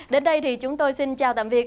đến đây thì chúng tôi xin chào tạm biệt